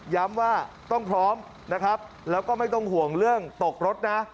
ย้ำว่าต้องพร้อมนะครับแล้วก็ไม่ต้องห่วงเรื่องตกรถนะ